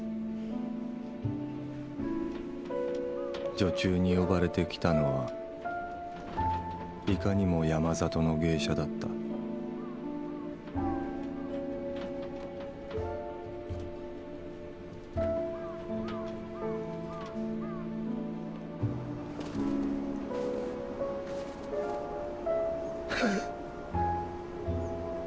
女中に呼ばれて来たのはいかにも山里の芸者だったフフッ。